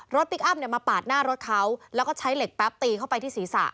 พลิกอัพมาปาดหน้ารถเขาแล้วก็ใช้เหล็กแป๊บตีเข้าไปที่ศีรษะ